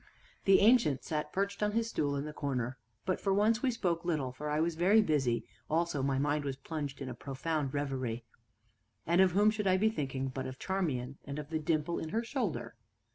The Ancient sat perched on his stool in the corner, but for once we spoke little, for I was very busy; also my mind was plunged in a profound reverie. And of whom should I be thinking but of Charmian, and of the dimple in her shoulder?